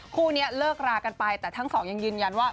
คู่นี้เลิกรากันไปแต่ทั้งสองยังยืนยันว่า